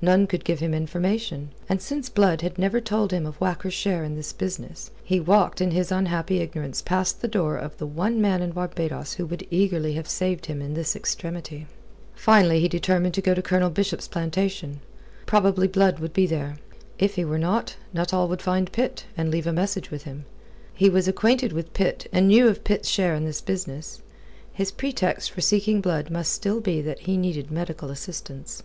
None could give him information; and since Blood had never told him of Whacker's share in this business, he walked in his unhappy ignorance past the door of the one man in Barbados who would eagerly have saved him in this extremity. Finally he determined to go up to Colonel Bishop's plantation. Probably Blood would be there. If he were not, Nuttall would find Pitt, and leave a message with him. He was acquainted with Pitt and knew of Pitt's share in this business. His pretext for seeking Blood must still be that he needed medical assistance.